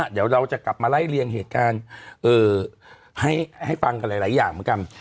เดี๋ยวเราจะกลับมาไล่เลี่ยงเหตุการณ์ให้ฟังกันหลายอย่างเหมือนกัน